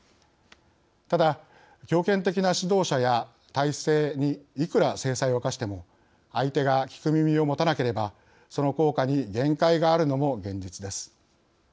ただ強権的な指導者や体制にいくら制裁を科しても相手が聞く耳を持たなければその効果に限界があるのも現実です。